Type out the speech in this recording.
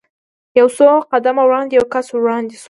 یو څو قدمه وړاندې یو کس ور وړاندې شو.